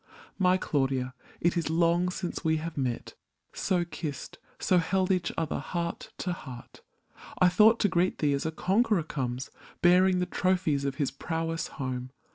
My Claudia, it is long since we have met, So kissed, so held each other heart to heart ! I thought to greet thee as a conqueror comes, Bearing the trophies of his prowess home.